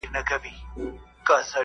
یار د عشق سبق ویلی ستا د مخ په سېپارو کي